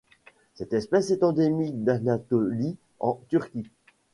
Cette espèce est endémique d'Anatolie en Turquie.